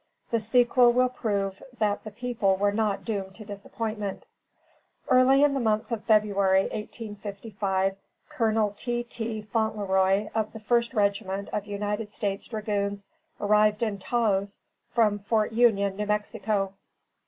The sequel will prove that the people were not doomed to disappointment. Early in the month of February, 1855, Col. T.T. Fauntleroy of the First Regiment of United States Dragoons arrived in Taos from Fort Union, New Mexico.